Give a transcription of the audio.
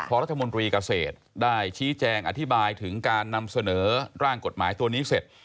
พอรัฐมนตรีเกษตรได้ชี้แจงอธิบายถึงการนำเสนอร่างกฎหมายตัวนี้เสร็จ